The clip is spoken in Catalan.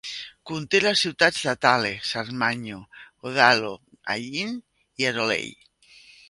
Conté les ciutats de Taleh, Sarmanyo, Godaalo, Hallin i Aroley.